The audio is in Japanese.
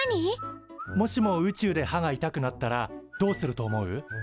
もしも宇宙で歯が痛くなったらどうすると思う？